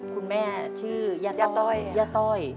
คุณแม่ชื่อย่าต้อย